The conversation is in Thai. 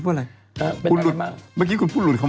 ใหช่เยอะใหช่เยอะ